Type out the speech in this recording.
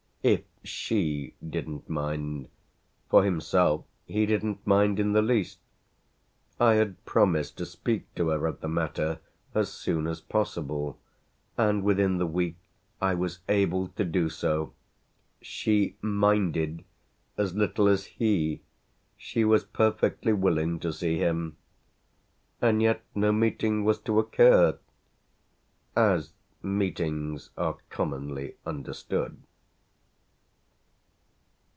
if she didn't mind; for himself he didn't mind in the least. I had promised to speak to her of the matter as soon as possible, and within the week I was able to do so. She "minded" as little as he; she was perfectly willing to see him. And yet no meeting was to occur as meetings are commonly understood.